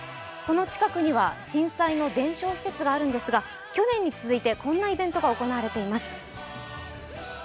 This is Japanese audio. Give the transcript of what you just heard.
この近くには震災の伝承施設があるんですが去年に続いてこんなイベントが行われています。